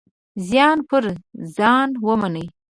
زیان پر ځان ومني.